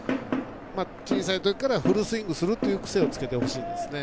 小さいときからフルスイングするっていう癖をつけてほしいんですね。